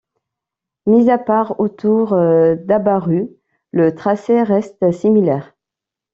Mis à part autour d'Habarut, le tracé reste similaire.